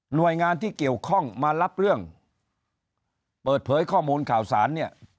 โดยงานที่เกี่ยวข้องมารับเรื่องเปิดเผยข้อมูลข่าวสารเนี่ย